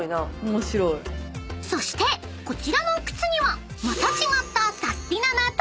［そしてこちらの靴にはまた違った］